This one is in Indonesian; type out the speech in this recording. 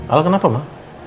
al kenapa ma